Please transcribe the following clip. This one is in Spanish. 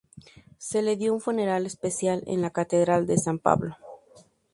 Se le dio un funeral especial en la catedral de San Pablo.